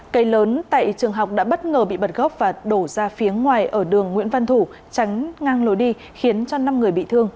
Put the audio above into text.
cây lớn tại trường học đã bất ngờ bị bật gốc và đổ ra phía ngoài ở đường nguyễn văn thủ tránh ngang lối đi khiến cho năm người bị thương